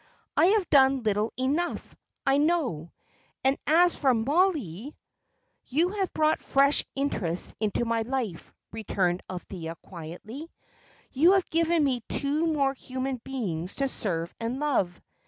"I have done little enough, I know, and as for Mollie " "You have brought fresh interests into my life," returned Althea, quietly. "You have given me two more human beings to serve and love.